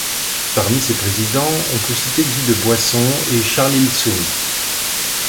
Parmi ses présidents, on peut citer Guy de Boysson et Charles Hilsum.